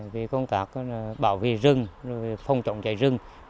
về công tác bảo vệ rừng phong trọng cháy rừng